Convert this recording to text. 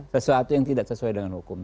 sesuatu yang tidak sesuai dengan hukum